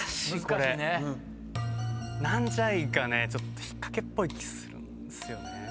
なんじゃいがねちょっと引っ掛けっぽい気するんすよね。